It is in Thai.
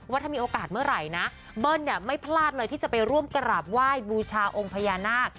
ว่าถ้ามีโอกาสเมื่อไหร่นะเบิ้ลเนี่ยไม่พลาดเลยที่จะไปร่วมกราบไหว้บูชาองค์พญานาค